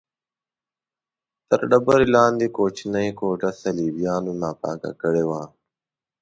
تر ډبرې لاندې کوچنۍ کوټه صلیبیانو ناپاکه کړې وه.